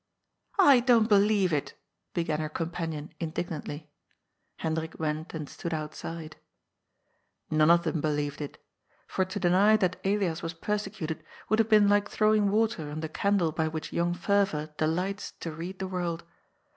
"I don't believe it " began her companion indig nantly. Hendrik went and stood outside. None of them believed it. For to deny that Elias was persecuted would have been like throwing water on the can dle by which young Fervour delights to read the world.